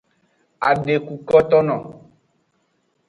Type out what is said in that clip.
Adekukotono.